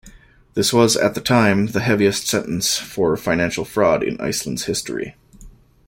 This was, at the time, the heaviest sentence for financial fraud in Iceland's history.